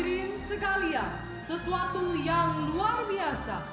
hadirin sekalian sesuatu yang luar biasa